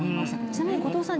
ちなみに後藤さん